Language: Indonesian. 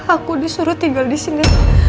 aku disuruh tinggal disini